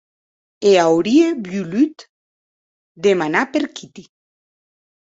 E aurie volut demanar per Kitty.